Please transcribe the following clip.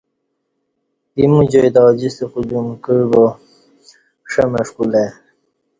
ایمو جائ تہ اوجستہ کُودیوم کعبا ݜمݜ کُولہ ائ۔